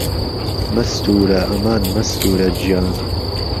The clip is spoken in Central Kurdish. مەستوورە ئەمان مەستوورە گیان